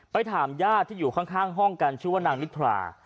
ถามญาติที่อยู่ข้างห้องกันชื่อว่านางนิทรา